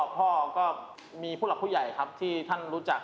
พ่อก็มีผู้หลักผู้ใหญ่ครับที่ท่านรู้จัก